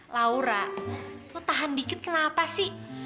laura kok tahan dikit kenapa sih